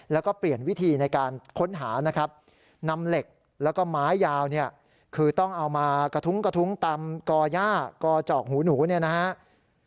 แล้วก็เปลี่ยนวิธีในการค้นหานะครับนำเหล็กแล้วก็ไม้ยาวเนี่ยคือต้องเอามากระทุ้งกระทุ้งตามก่อย่ากอจอกหูหนูเนี่ยนะครับ